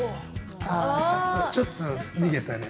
ちょっと逃げたね。